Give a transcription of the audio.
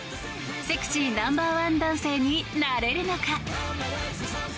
セクシーナンバー１男性になれるのか？